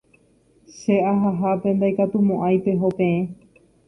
Che ahahápe ndaikatumo'ãi peho peẽ